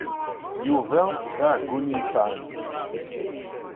Yuba d aɛeggun inefɛen.